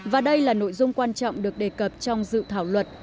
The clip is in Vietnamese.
và đây là nội dung quan trọng được đề cập trong dự thảo luật